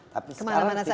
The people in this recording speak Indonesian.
tapi sekarang tidak bisa